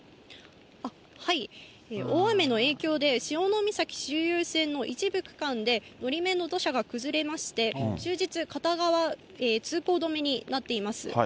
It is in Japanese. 大雨の影響で、潮岬周遊線の一部区間で、のり面の土砂が崩れまして、終日、片側通行止めになっています。